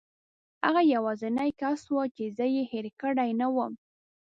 هغه یوازینی کس و چې زه یې هېره کړې نه وم.